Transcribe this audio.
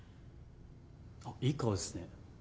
あっいい顔ですね。